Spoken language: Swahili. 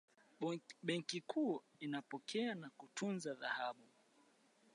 benki kuu inapokea na kutunza dhahabu